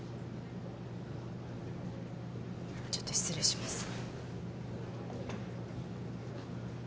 ちょっと失礼します。